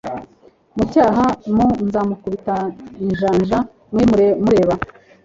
mu cyaha m nzamukubita ijanja mwimure mureba